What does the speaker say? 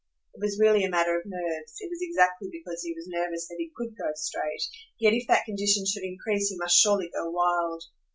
It was really a matter of nerves; it was exactly because he was nervous that he COULD go straight; yet if that condition should increase he must surely go wild.